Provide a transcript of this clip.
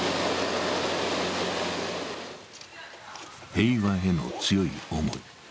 平和への強い思い。